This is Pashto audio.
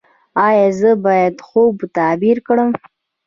ایا زه باید خوب تعبیر کړم؟